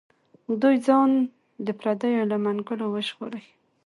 دوی ځان د پردیو له منګولو وژغوري.